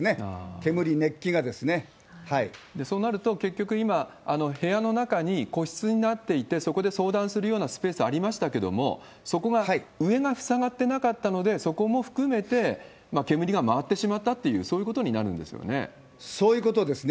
煙、そうなると、結局今、部屋の中に個室になっていて、そこで相談するようなスペースありましたけれども、そこが上が塞がってなかったので、そこも含めて煙が回ってしまったという、そういうことになるんでそういうことですね。